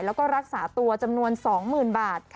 แล้วก็รักษาตัวจำนวน๒๐๐๐บาท